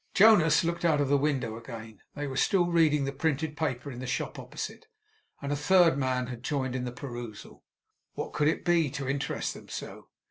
Jonas looked out of the window again. They were still reading the printed paper in the shop opposite, and a third man had joined in the perusal. What could it be, to interest them so?